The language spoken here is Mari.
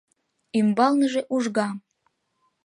Ӱмбалныже ужга.